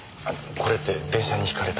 これって電車にひかれた。